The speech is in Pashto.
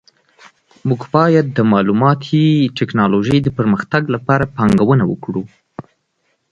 موږ باید د معلوماتي ټکنالوژۍ د پرمختګ لپاره پانګونه وکړو